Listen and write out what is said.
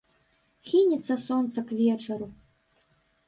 Хінецца сонца к вечару.